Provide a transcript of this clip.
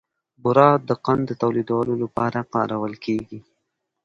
بوره د قند تولیدولو لپاره کارول کېږي.